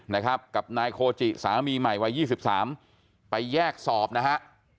นะครับกับนายโคจิสามีใหม่วัย๒๓ไปแยกสอบนะฮะ